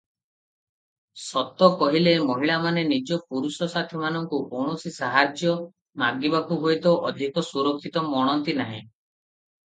ସତ କହିଲେ ମହିଳାମାନେ ନିଜ ପୁରୁଷ ସାଥୀମାନଙ୍କୁ କୌଣସି ସାହାଯ୍ୟ ମାଗିବାକୁ ହୁଏତ ଅଧିକ ସୁରକ୍ଷିତ ମଣନ୍ତି ନାହିଁ ।